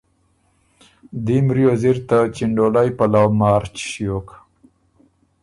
دیم ریوز اِر ته چِنډولئ پلؤ مارچ ݭیوک